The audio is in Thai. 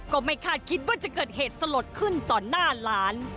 ก็ไม่คาดคิดว่าจะเกิดเหตุสลดขึ้นต่อหน้าหลาน